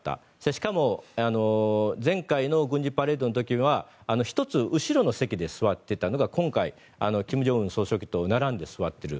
しかも前回の軍事パレードの時は１つ後ろの席に座っていたのが今回、金正恩総書記と並んで座っている。